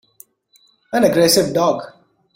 An aggressive dog.